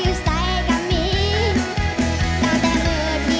สิไปทางได้กล้าไปน้องบ่ได้สนของพ่อสำนี